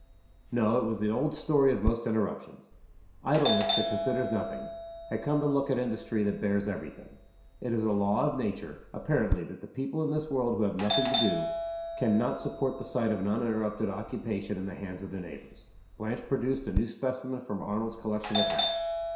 No; it was the old story of most interruptions. Idleness that considers nothing, had come to look at Industry that bears every thing. It is a law of nature, apparently, that the people in this world who have nothing to do can not support the sight of an uninterrupted occupation in the hands of their neighbors. Blanche produced a new specimen from Arnold's collection of hats.